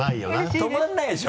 止まらないでしょ？